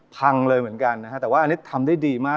พังเลยเหมือนกันนะฮะแต่ว่าอันนี้ทำได้ดีมาก